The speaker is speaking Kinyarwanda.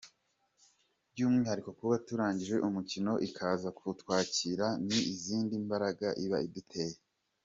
By’umwihariko kuba turangije umukino ikaza kutwakira, ni izindi mbaraga iba iduteye.